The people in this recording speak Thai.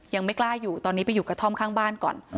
ยังไม่กล้าอยู่ตอนนี้ไปอยู่กระท่อมข้างบ้านก่อน